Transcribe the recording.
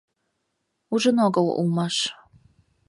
Ужын огыл улмаш.